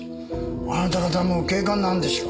あなた方も警官なんでしょう。